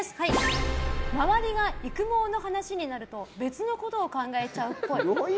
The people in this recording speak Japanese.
周りが育毛の話になると別のことを考えちゃうっぽい。